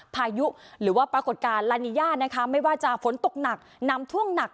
พายุหรือว่าปรากฏการณ์ลานิยานะคะไม่ว่าจะฝนตกหนักน้ำท่วมหนัก